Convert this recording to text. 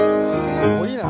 すごいな。